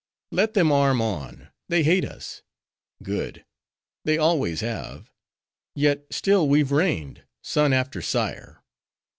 "Let them arm on. They hate us:—good;—they always have; yet still we've reigned, son after sire.